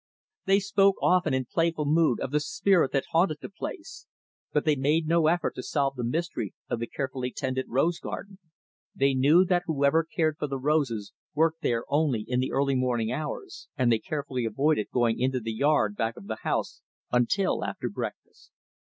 They spoke, often, in playful mood, of the spirit that haunted the place; but they made no effort to solve the mystery of the carefully tended rose garden. They knew that whoever cared for the roses worked there only in the early morning hours; and they carefully avoided going into the yard back of the house until after breakfast.